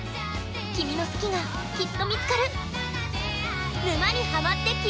君の好きがきっと見つかる